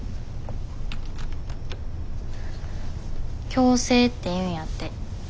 共生っていうんやって。